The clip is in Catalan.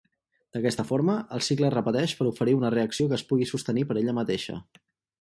D"aquesta forma, el cicle es repeteix per oferir una reacció que es pugui sostenir per ella mateixa.